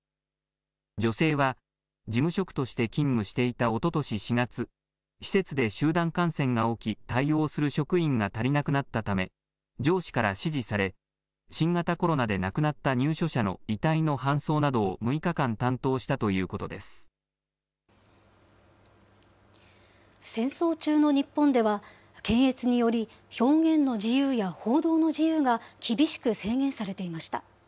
女性は事務職として勤務していたおととし４月、施設で集団感染が起き、対応する職員が足りなくなったため、上司から指示され、新型コロナで亡くなった入所者の遺体の搬送などを６日間担当した戦争中の日本では、検閲により、表現の自由や報道の自由が厳しく制限されていました。